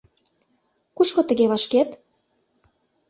Кушко тыге вашкет?